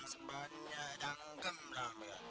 sempanya dangkem rambut